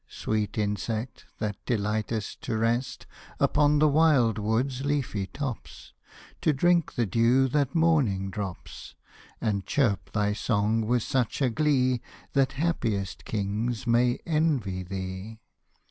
Sweet insect, that delight'st to rest Upon the wild wood's leafy tops, To drink the dew that morning drops, And chirp thy song with such a glee, Hosted by Google ODES OF ANACREON 243 That happiest kings may envy thee.